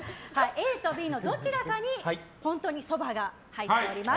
ＡとＢのどちらかに本当にそばが入っています。